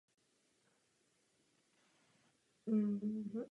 Rozhodně je to důležité základní právo.